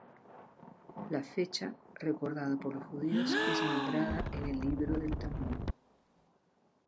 La fecha, recordada por los judíos, es nombrada en el libro del Talmud.